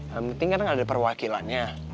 yang penting kadang ada perwakilannya